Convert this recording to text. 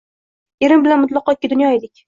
Erim bilan mutlaqo ikki dunyo edik